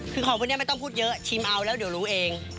คือของพวกนี้ไม่ต้องพูดเยอะชิมเอาแล้วเดี๋ยวรู้เอง